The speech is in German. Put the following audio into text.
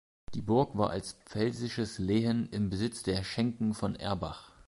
Die Burg war als pfälzisches Lehen im Besitz der Schenken von Erbach.